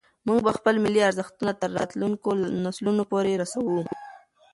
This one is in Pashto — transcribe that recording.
موږ به خپل ملي ارزښتونه تر راتلونکو نسلونو پورې رسوو.